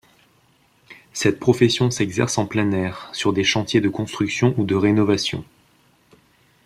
Cette profession s'exerce en plein air, sur des chantiers de construction ou de rénovation.